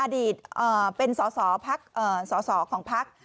อดีตเป็นสอสอของพัก